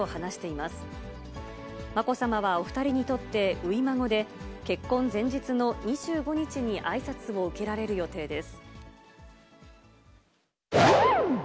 まこさまはお２人にとって初孫で、結婚前日の２５日にあいさつを受けられる予定です。